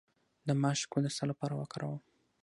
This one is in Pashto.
د ماش ګل د څه لپاره وکاروم؟